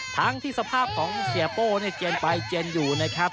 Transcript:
ทั้งที่สภาพของเสียโป้เนี่ยเจียนไปเจียนอยู่นะครับ